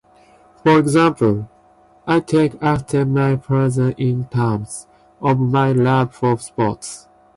For example, I take after my father in terms of my love for sports.